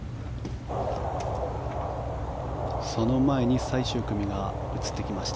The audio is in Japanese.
その前に最終組が映ってきました。